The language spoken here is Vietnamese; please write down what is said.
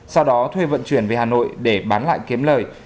sau đó thuê vận chuyển về hà nội để bán lại kiếm lời